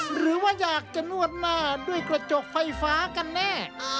หรือว่าอยากจะนวดหน้าด้วยกระจกไฟฟ้ากันแน่